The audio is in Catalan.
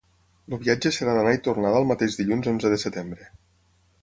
El viatge serà d’anar i tornada el mateix dilluns onze de setembre.